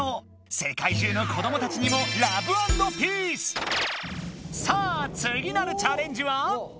世界中の子どもたちにもさあつぎなるチャレンジは？